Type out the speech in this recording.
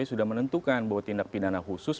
sudah menentukan bahwa tindak pidana khusus